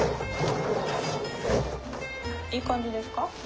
いい感じですか？